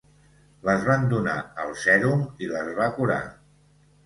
Les van donar el sèrum i les va curar.